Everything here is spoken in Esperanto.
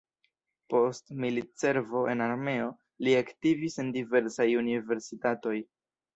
Post militservo en armeo, li aktivis en diversaj universitatoj.